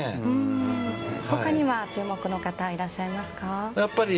他には注目の方はいらっしゃいますか。